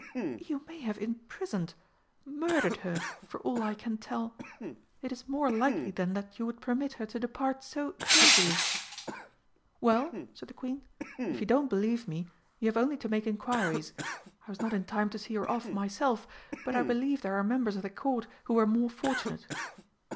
"You may have imprisoned murdered her, for all I can tell. It is more likely than that you would permit her to depart so easily." "Well," said the Queen, "if you don't believe me, you have only to make inquiries. I was not in time to see her off myself, but I believe there are members of the Court who were more fortunate."